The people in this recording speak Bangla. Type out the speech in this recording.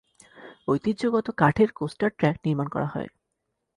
ঐতিহ্যগত কাঠের কোস্টার ট্র্যাক নির্মাণ করা হয়।